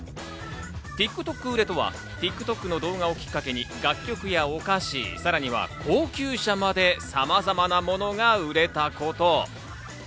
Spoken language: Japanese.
売れとはＴｉｋＴｏｋの動画をきっかけに楽曲やお菓子、さらには高級車まで、さまざまな物が売れたこと。